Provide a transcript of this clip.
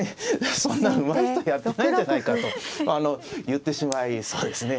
そんなうまい人やってないんじゃないか」と言ってしまいそうですね。